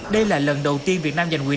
đây là lần đầu tiên việt nam giành quyền